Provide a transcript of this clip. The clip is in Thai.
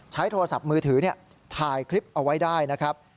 ใช้โทรศัพท์มือถือถ่ายคลิปเอาไว้ได้นะครับ